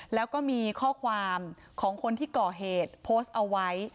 แล้วก็มีข้อความของคนที่ก่อเหตุโพสต์เอาไว้